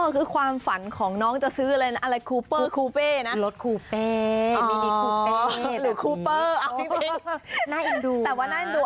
อ๋อคือความฝันของน้องจะซื้ออะไรนะคูเปอร์คูเป่รถคูเป่มินิคูเป่หรือคูเป่